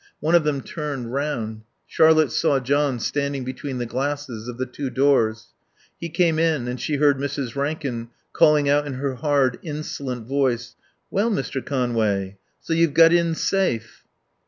One of them turned round. Charlotte saw John standing between the glasses of the two doors. He came in and she heard Mrs. Rankin calling out in her hard, insolent voice, "Well, Mr. Conway, so you've got in safe."